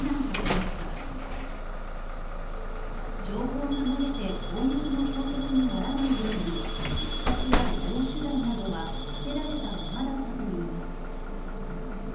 情報が漏れて攻撃の標的にならないように行き先や移動手段などは伏せられたままだったといいます。